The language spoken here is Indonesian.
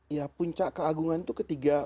ya puncak keagungan itu ketika